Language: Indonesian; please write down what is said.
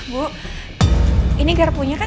bu ini garpunya kan